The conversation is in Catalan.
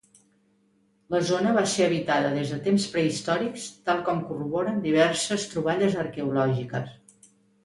La zona va ser habitada des de temps prehistòrics, tal com corroboren diverses troballes arqueològiques.